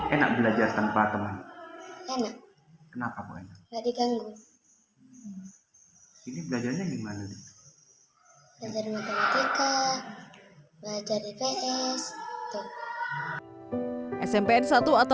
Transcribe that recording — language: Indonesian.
enak belajar tanpa teman enak kenapa enak jadi ganggu ini belajarannya gimana